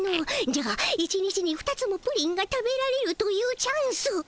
じゃが一日にふたつもプリンが食べられるというチャンス